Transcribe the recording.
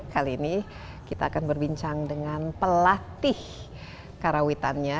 kali ini kita akan berbincang dengan pelatih karawitannya